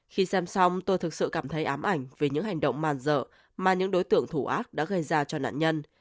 khi xem xong tôi thực sự cảm thấy ám ảnh về những hành động màn dợ mà những đối tượng thủ ác đã gây ra cho nạn nhân